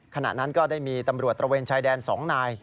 ขณะนั้นก็ได้มีตำรวจตระเวนชายแดน๒นาย